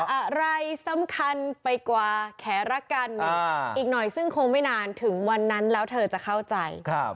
อะไรสำคัญไปกว่าแขรักกันอีกหน่อยซึ่งคงไม่นานถึงวันนั้นแล้วเธอจะเข้าใจ